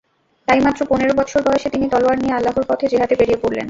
তাই মাত্র পনের বৎসর বয়সে তিনি তলোয়ার নিয়ে আল্লাহর পথে জিহাদে বেরিয়ে পড়লেন।